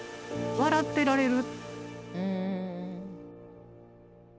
笑ってられる。